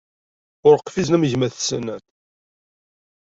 Ur qfizen am gma-tsen.